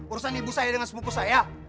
urusan ibu saya dengan sepupu saya